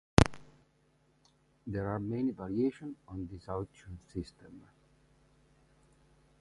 There are many variations on this auction system.